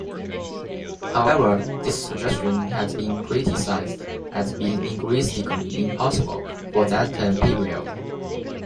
However, this suggestion has been criticized as being "linguistically impossible" for that time period.